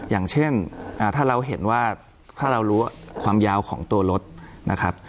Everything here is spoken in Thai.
อย่างเช่นถ้าเราเห็นว่าถ้าเรารู้ความยาวของตัวรถนะครับ